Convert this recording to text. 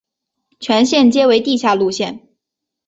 全线皆为地下路线。